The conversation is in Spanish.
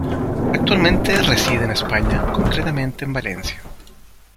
Actualmente reside en España, concretamente en Valencia.